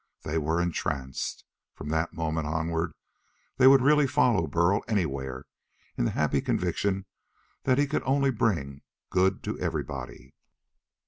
They were entranced. From that moment onward they would really follow Burl anywhere, in the happy conviction that he could only bring good to everybody.